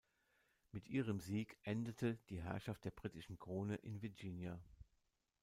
Mit ihrem Sieg endete die Herrschaft der britischen Krone in Virginia.